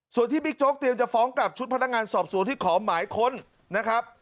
ส่วนที่บิ๊กโจ๊กเตรียมจะฟ้องกลับชุดพนักงานสอบสวนที่ขอหมายค้นนะครับ